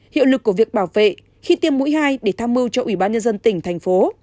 hiệu lực của việc bảo vệ khi tiêm mũi hai để tham mưu cho ủy ban nhân dân tỉnh thành phố